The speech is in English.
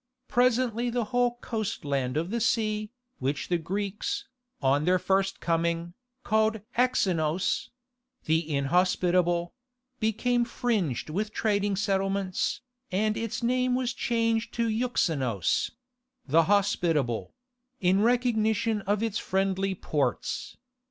Presently the whole coastland of the sea, which the Greeks, on their first coming, called Axeinos—"the Inhospitable"—became fringed with trading settlements, and its name was changed to Euxeinos—"the Hospitable"—in recognition of its friendly ports.